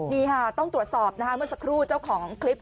นี่ค่ะต้องตรวจสอบนะคะเมื่อสักครู่เจ้าของคลิป